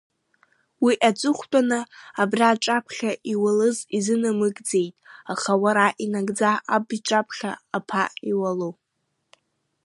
Уи аҵыхәтәаны абра аҿаԥхьа иуалыз изынамыгӡеит, аха уара инагӡа аб иҿаԥхьа аԥа иуалу.